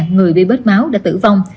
người bị bết máu đã tử vong